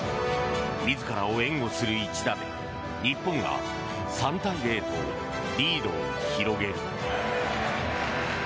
自らを援護する一打で日本が３対０とリードを広げる。